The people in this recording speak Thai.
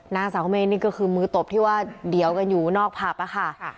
นางสาวเมนนี่ก็คือมือตบที่ว่าเดี๋ยวกันอยู่นอกผับอะค่ะ